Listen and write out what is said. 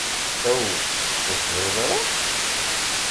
Aw, ur teẓrid ara?